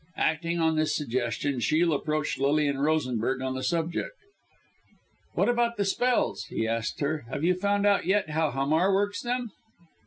Acting on this suggestion, Shiel approached Lilian Rosenberg on the subject. "What about the spells?" he asked her. "Have you found out yet how Hamar works them?"